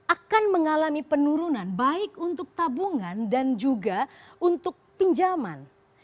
akan mengalami penurunan baik untuk tabungan dan juga untuk pinjaman